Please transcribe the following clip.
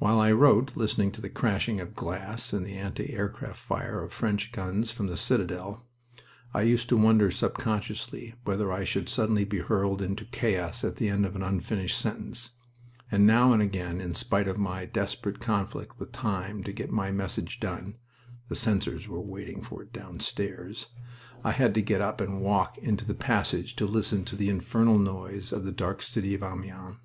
While I wrote, listening to the crashing of glass and the anti aircraft fire of French guns from the citadel, I used to wonder subconsciously whether I should suddenly be hurled into chaos at the end of an unfinished sentence, and now and again in spite of my desperate conflict with time to get my message done (the censors were waiting for it downstairs) I had to get up and walk into the passage to listen to the infernal noise in the dark city of Amiens.